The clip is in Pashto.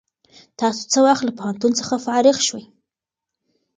تاسو څه وخت له پوهنتون څخه فارغ شوئ؟